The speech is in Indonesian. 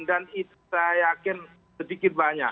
dan itu saya yakin sedikit banyak